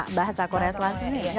iya korea selatan sendiri ya